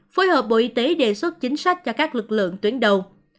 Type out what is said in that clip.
phối hợp bộ y tế đề xuất chính sách cho các lực lượng tuyến đầu